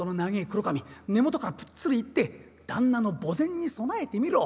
黒髪根元からぷっつりいって旦那の墓前に供えてみろ。